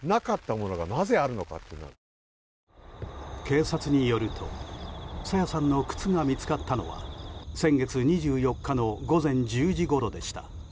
警察によると朝芽さんの靴が見つかったのは先月２４日の午前１０時ごろでした。